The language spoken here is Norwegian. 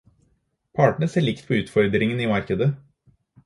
Partene ser likt på utfordringene i markedet.